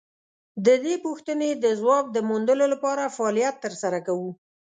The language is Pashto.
د دې پوښتنې د ځواب د موندلو لپاره فعالیت تر سره کوو.